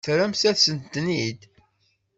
Terramt-asent-ten-id.